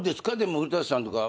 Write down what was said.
古さんとか。